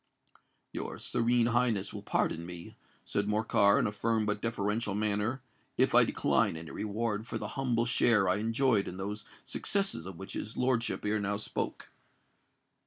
"Your Serene Highness will pardon me," said Morcar, in a firm but deferential manner, "if I decline any reward for the humble share I enjoyed in those successes of which his lordship ere now spoke.